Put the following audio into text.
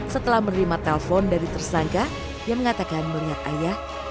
setelah menerima telpon dari tersangka dia mengatakan melihat ayahnya